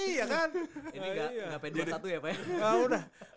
ini nggak pengen buat satu ya pak ya